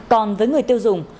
còn với người tiêu dùng